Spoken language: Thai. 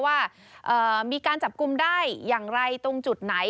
ว่ามีการจับกลุ่มได้อย่างไรตรงจุดไหน